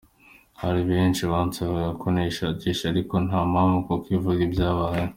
Hari benshi bansaba ko nayihagarikisha ariko nta mpamvu kuko ivuga ibyabayeho.